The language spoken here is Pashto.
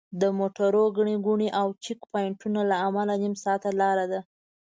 د موټرو ګڼې ګوڼې او چیک پواینټونو له امله نیم ساعت لاره ده.